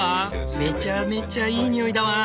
めちゃめちゃいい匂いだワン！